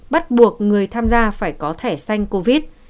bắt buộc người tham gia phải có thẻ xanh covid